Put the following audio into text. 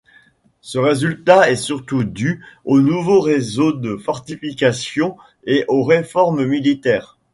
Ce résultat est surtout dû au nouveau réseau de fortifications et aux réformes militaires.